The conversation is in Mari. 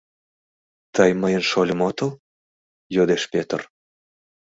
— Тый мыйын шольым отыл? — йодеш Пӧтыр.